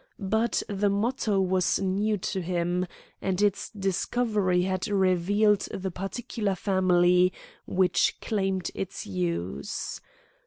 But the motto was new to him, and its discovery had revealed the particular family which claimed its use.